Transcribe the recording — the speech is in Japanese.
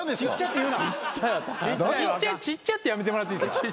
ちっちゃってやめてもらっていいですか？